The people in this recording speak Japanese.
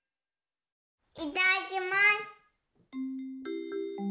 いただきます。